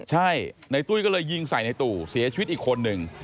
ใช่ในตุ้ยก็เลยยิงใส่ในตู่เสียชีวิตอีกคนนึง